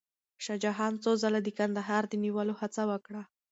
شاه جهان څو ځله د کندهار د نیولو هڅه وکړه.